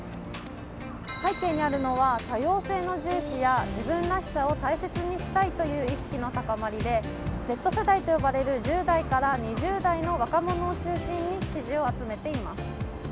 背景にあるのは多様性の重視や自分らしを大切にしたいという意識の高まりで、Ｚ世代と呼ばれる１０代から２０代の若者を中心に支持を集めています。